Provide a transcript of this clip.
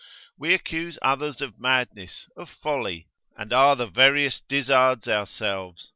We accuse others of madness, of folly, and are the veriest dizzards ourselves.